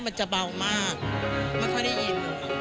มันจะเบามากไม่ค่อยได้ยิน